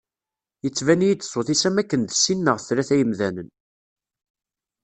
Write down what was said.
Yettban-iyi-d ṣṣut-is am wakkan d sin neɣ tlata n yemdanen.